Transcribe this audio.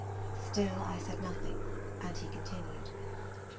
Still I said nothing, and he continued.